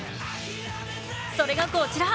それがこちら。